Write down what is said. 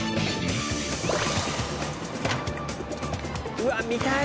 うわっ見たい！